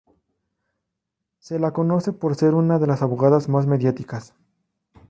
Se la conoce por ser una de las abogadas más mediáticas.